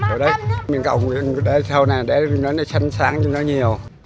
rồi đấy mình gọng để sau này để nó sẵn sàng cho nó nhiều